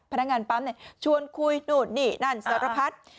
พนักงานปั๊มชวนคุยนู่นนี่นั่นสารพัด